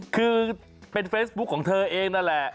คือเป็นเฟซบุ๊คของเธอเองนั่นแหละ